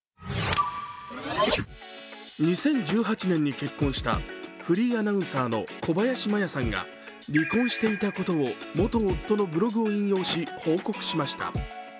２０１８年に結婚したフリーアナウンサーの小林麻耶さんが離婚していたことを元夫のブログを引用し、報告しました。